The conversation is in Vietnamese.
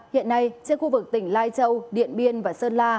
hiện nay trên khu vực tỉnh lai châu điện biên và sơn la